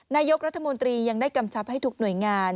นายกรัฐมนตรียังได้กำชับให้ทุกหน่วยงาน